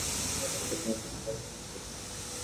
ধরা পড়লে আমাদের বরখাস্ত করা হবে।